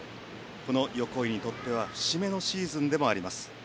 この横井にとっては節目のシーズンでもあります。